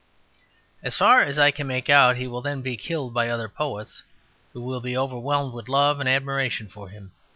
As far as I can make out he will then be killed by other poets, who will be overwhelmed with love and admiration for him.